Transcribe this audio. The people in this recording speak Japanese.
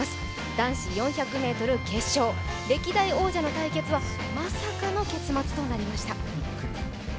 男子４００ｍ決勝、歴代王者の対決はまさかの結末となりました。